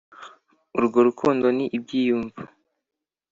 urwo rukundo ni ibyiyumvo